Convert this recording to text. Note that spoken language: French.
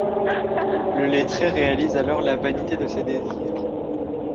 Le lettré réalise alors la vanité de ses désirs.